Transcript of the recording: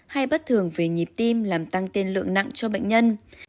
hay bất thường về nhịp tim làm tăng tiên lượng nặng cho bệnh nhân